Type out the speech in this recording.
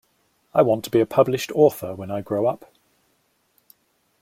I want to be a published author when I grow up.